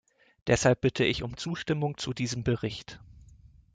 Deshalb bitte ich um Zustimmung zu diesem Bericht.